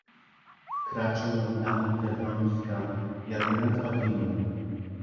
"Kraczą nad nami te wrońska, jakby nad padliną..."